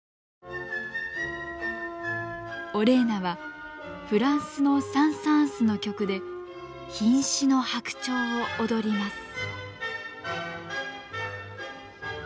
オレーナはフランスのサン＝サーンスの曲で「瀕死の白鳥」を踊ります。